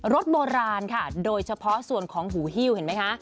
รถโบราณค่ะโดยเฉพาะส่วนของหูฮิ้วเห็นไหมคะ